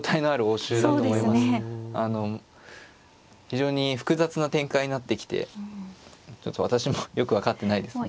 非常に複雑な展開になってきてちょっと私もよく分かってないですね。